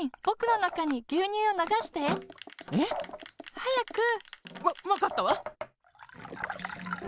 はやく！わわかったわ。